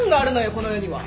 この世には。